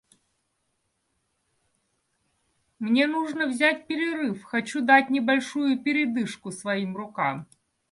Мне нужно взять перерыв, хочу дать небольшую передышку своим рукам.